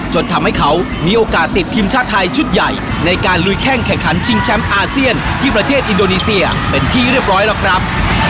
จนทำให้เขามีโอกาสติดทีมชาติไทยชุดใหญ่ในการลุยแข้งแข่งขันชิงแชมป์อาเซียนที่ประเทศอินโดนีเซียเป็นที่เรียบร้อยแล้วครับ